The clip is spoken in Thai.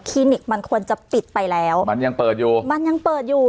คลินิกมันควรจะปิดไปแล้วมันยังเปิดอยู่